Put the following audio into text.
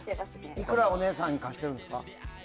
いくらお姉さんに貸してるんですか？